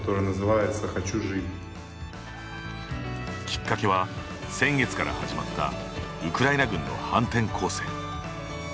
きっかけは、先月から始まったウクライナ軍の反転攻勢。